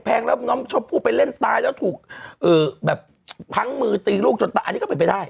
แล้วน้องชมพู่ไปเล่นตายแล้วถูกแบบพังมือตีลูกจนตายอันนี้ก็เป็นไปได้